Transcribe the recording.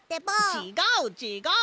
ちがうちがう！